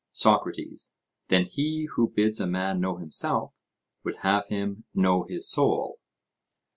SOCRATES: Then he who bids a man know himself, would have him know his soul?